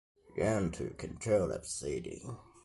Yang took control of the city.